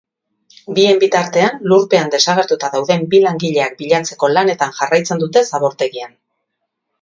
Bien bitartean, lurpean desagertuta dauden bi langileak bilatzeko lanetan jarraitzen dute zabortegian.